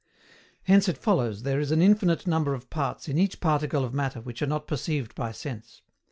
Hence, it follows there is an infinite number of parts in each particle of Matter which are not perceived by sense.